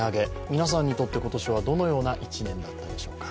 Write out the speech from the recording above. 皆さんにとって、今年はどのような１年だったでしょうか。